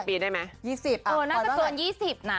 ตัวน่าจะตัวน๒๐นะ